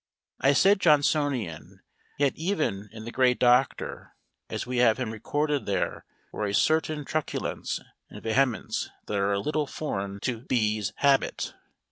I said "Johnsonian" yet even in the great Doctor as we have him recorded there were a certain truculence and vehemence that are a little foreign to B 's habit.